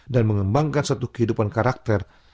dan mengembangkan satu kehidupan karakter